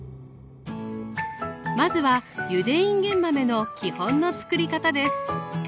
まずはゆでいんげん豆の基本のつくり方です。